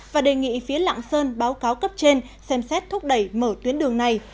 và đề nghị phía lạng sơn báo cáo cấp trên xem xét thúc đẩy mở tuyến đường này